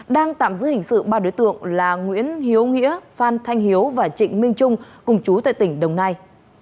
đang tạm giữ hình sự ba đối tượng là nguyễn hiếu nghĩa phan thanh hiếu và trịnh minh trung cùng chú tại tỉnh đồng nai